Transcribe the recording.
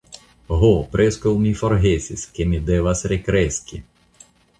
Ho, preskaŭ mi forgesis ke mi devas rekreski!